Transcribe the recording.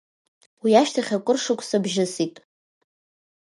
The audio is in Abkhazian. Уи ашьҭахь акыр шықәса бжьысит.